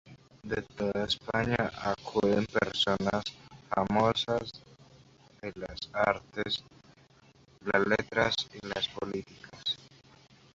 De toda España acuden personajes famosos de las artes, las letras y la política.